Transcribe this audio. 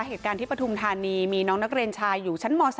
เหตุการณ์ที่ปฐุมธานีมีน้องนักเรียนชายอยู่ชั้นม๓